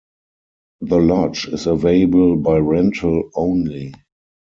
The Lodge is available by rental only.